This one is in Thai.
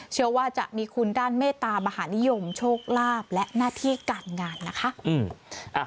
เชื่อว่าจะมีคุณด้านเมตามหานิยมโชคลาภและหน้าที่การงานนะคะ